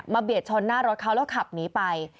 เบียดชนหน้ารถเขาแล้วขับหนีไป